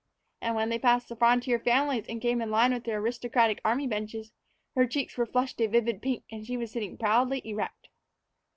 And when they passed the frontier families and came in line with the aristocratic army benches, her cheeks were flushed a vivid pink, and she was sitting proudly erect.